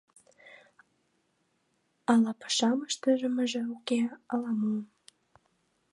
Ала пашам ыштымыже уке, ала-мо.